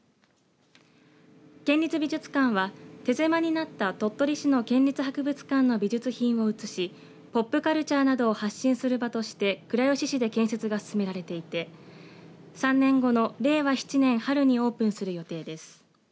県立美術館は手狭になった鳥取市の県立博物館の美術品を移しポップカルチャーなどを発信する場として倉吉市で建設が進められていて３年後の令和７年春にオープンする予定です。